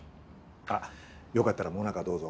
あっよかったらもなかどうぞ。